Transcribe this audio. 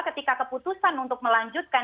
ketika keputusan untuk melanjutkan